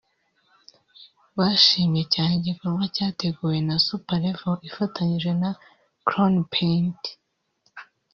bashimye cyane iki gikorwa cyateguwe na Super Level ifatanyije na Crown Paints